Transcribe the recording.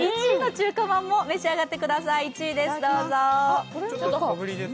１位の中華まんも召し上がってください。